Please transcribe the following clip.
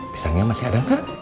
pisangnya masih ada nggak